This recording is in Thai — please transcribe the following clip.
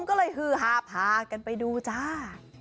ก็เลยฮือฮาพากันไปดูจ้า